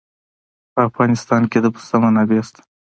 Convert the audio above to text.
په افغانستان کې د پسه منابع شته.